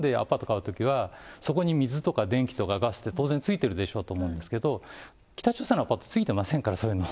要するに日本でアパート買うときはそこに水とか電気とかガスって当然ついてるでしょうと思うんですけど、北朝鮮のアパートついてませんから、そういうの。